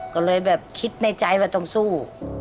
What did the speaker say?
ก็เลยแบบคิดในใจว่าต้องสู้